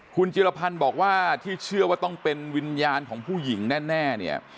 คุณจิรพันธ์บอกว่าที่เชื่อว่าต้องเป็นวิญญาณของผู้หญิงแน่เนี่ย